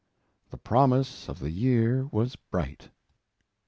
The promise of the year was bright.